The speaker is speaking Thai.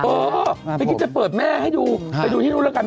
เออไปคิดจะเปิดแม่ให้ดูไปดูที่นู่นแล้วกัน